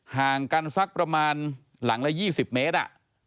ห่างกันสักประมาณหลังละ๒๐เมตร